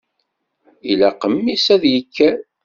Ilaq mmi-s ad d-yekker.